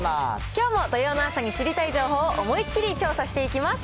きょうも土曜の朝に知りたい情報を思いっきり調査していきます。